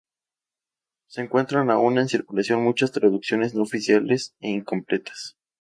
Se encuentran aún en circulación muchas traducciones no oficiales e incompletas.